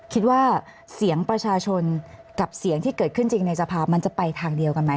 คิดว่าเสียงประชาชนกับเสียงที่เกิดขึ้นจริงในสภามันจะไปทางเดียวกันไหม